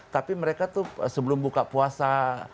tapi mereka tuh sebelum buka puasa